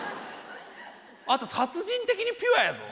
あなた殺人的にピュアやぞ。